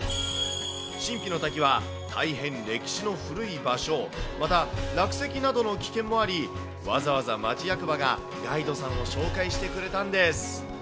神秘の滝は大変歴史の古い場所、また落石などの危険もあり、わざわざ町役場がガイドさんを紹介してくれたんです。